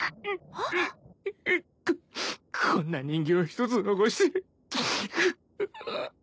ここんな人形一つ残して。